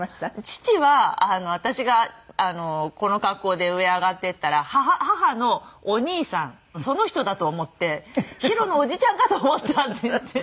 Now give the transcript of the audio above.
父は私がこの格好で上へ上がって行ったら母のお兄さんその人だと思って「ヒロのおじちゃんかと思った」って言って。